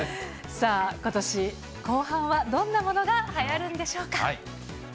ことし後半はどんなものがはやるんでしょうか。